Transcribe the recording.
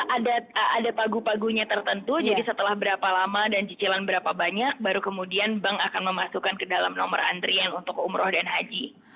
ada pagu pagunya tertentu jadi setelah berapa lama dan cicilan berapa banyak baru kemudian bank akan memasukkan ke dalam nomor antrian untuk umroh dan haji